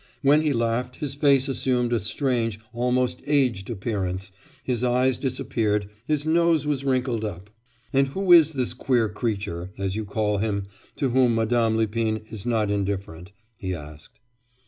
When he laughed his face assumed a strange, almost aged appearance, his eyes disappeared, his nose was wrinkled up. 'And who is this queer creature, as you call him, to whom Madame Lipin is not indifferent?' he asked.